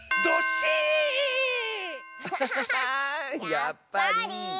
やっぱり。